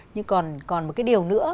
nhưng còn một cái điều nữa